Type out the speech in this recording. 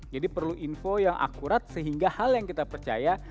jadi perlu info yang akurat sehingga hal yang kita percaya